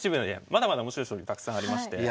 まだまだ面白い将棋たくさんありまして。